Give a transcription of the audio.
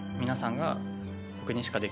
皆さんが。